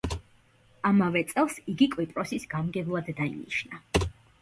ამავე წელს იგი კვიპროსის გამგებლად დაინიშნა.